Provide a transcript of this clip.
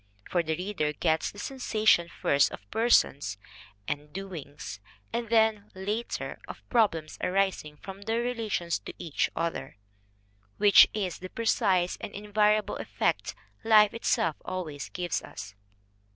For the reader gets the sensation first of persons and "doings" and then, later, of problems arising from their relations to each other; which is the precise and invariable effect life itself always gives us.